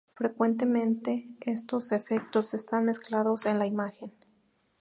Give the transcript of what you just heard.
Frecuentemente estos efectos están mezclados en la imagen.